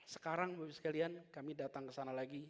sekarang pak gubernur sekalian kami datang kesana lagi